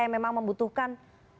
yang memang membutuhkan